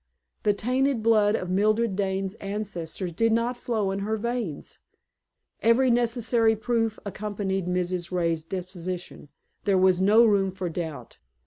The tainted blood of Mildred Dane's ancestors did not flow in her veins. Every necessary proof accompanied Mrs. Ray's deposition there was no room for doubt.